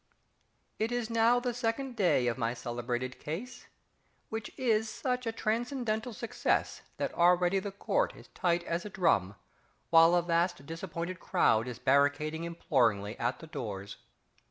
_ It is now the second day of my celebrated case, which is such a transcendental success that already the Court is tight as a drum, while a vast disappointed crowd is barricading imploringly at the doors!